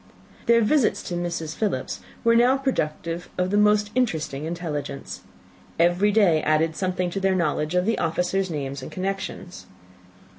Their visits to Mrs. Philips were now productive of the most interesting intelligence. Every day added something to their knowledge of the officers' names and connections.